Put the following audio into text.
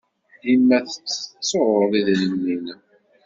Dima tettettuḍ idrimen-nnem.